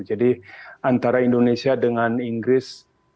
jadi antara indonesia dengan inggris